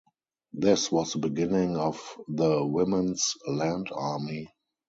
This was the beginning of the Women's Land Army.